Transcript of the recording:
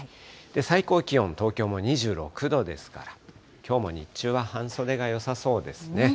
最高気温、東京も２６度ですから、きょうも日中は半袖がよさそうですね。